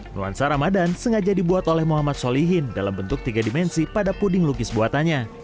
nuansa ramadan sengaja dibuat oleh muhammad solihin dalam bentuk tiga dimensi pada puding lukis buatannya